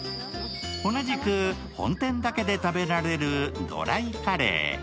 同じく本店だけで食べられるドライカレー。